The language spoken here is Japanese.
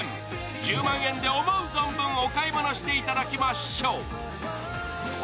１０万円で思う存分お買い物していただきましょう。